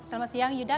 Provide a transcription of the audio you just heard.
selamat siang yuda